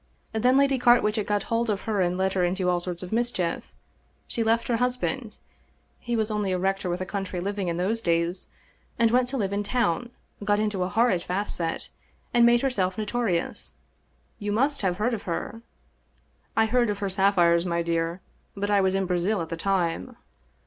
Then Lady Carwitchet got hold of her and led her into all sorts of mischief. She left her husband — ^he was only a rector with a country living in those days — and went to live in town, got into a horrid fast set, and made herself notori ous. You must have heard of her." " I heard of her sapphires, my dear. But I was in Brazil at the time."